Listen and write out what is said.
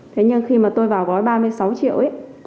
thế nhưng khi mà tôi vào gói ba mươi sáu triệu ấy